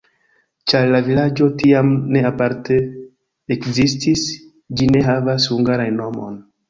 Ĉar la vilaĝo tiam ne aparte ekzistis, ĝi ne havas hungaran nomon.